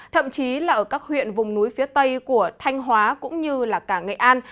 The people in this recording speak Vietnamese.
thậm chí là ở các huyện vùng núi phía tây của thanh hóa cũng như là cả nghệ an